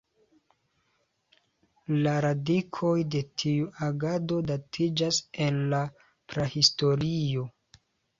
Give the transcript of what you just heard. La radikoj de tiu agado datiĝas el la Prahistorio.